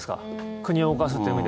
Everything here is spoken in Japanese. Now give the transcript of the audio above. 国を動かすという意味では。